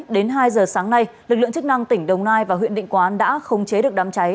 đến hai giờ sáng nay lực lượng chức năng tỉnh đồng nai và huyện định quán đã không chế được đám cháy